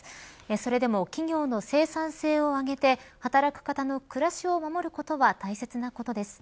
それでも企業も生産性を上げて働く方の暮らしを守ることは大切なことです。